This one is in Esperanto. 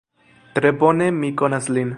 Tre bone mi konas lin.